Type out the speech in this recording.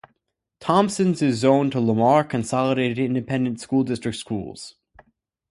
Thompsons is zoned to Lamar Consolidated Independent School District schools.